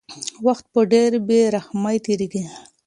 وخت په ډېرې بې رحمۍ تېرېږي.